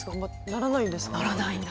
ならないんですか？